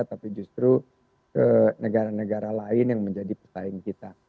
tapi justru ke negara negara lain yang menjadi pesaing kita